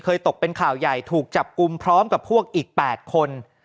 ตกเป็นข่าวใหญ่ถูกจับกลุ่มพร้อมกับพวกอีก๘คน